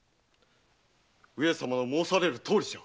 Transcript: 上様の申されるとおりじゃ。